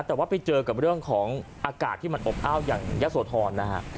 แต่ว่าไปเจอกับเรื่องของอากาศที่มันอบอ้าวอย่างยะโสธรนะฮะ